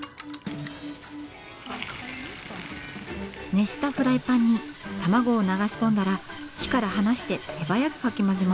熱したフライパンに卵を流し込んだら火から離して手早くかき混ぜます。